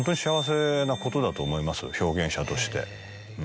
表現者として。